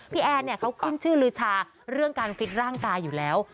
พี่แอนเขาขึ้นชื่อฤชาเรื่องการฟิตร่างกายอยู่แล้ว